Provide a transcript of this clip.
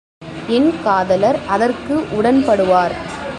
என் காதலர் அதற்கு உடன்படுவார்.